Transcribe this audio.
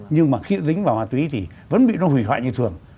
nhưng mà khi dính vào ma túy thì vẫn bị nó hủy hoại như thường